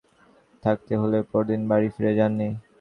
অস্ত্রোপচার শেষে রাতে হাসপাতালে থাকতে হলেও, পরদিন বাড়ি ফিরে যান তিনি।